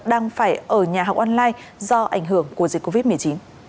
đang phải ở nhà học online do ảnh hưởng của dịch covid một mươi chín